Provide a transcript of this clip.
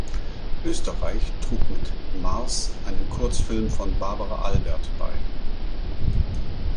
Österreich trug mit "Mars" einen Kurzfilm von Barbara Albert bei.